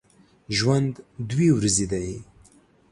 ژوند دوې ورځي دی